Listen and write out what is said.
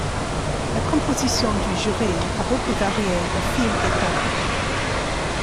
La composition du jury a beaucoup varié au fil des temps.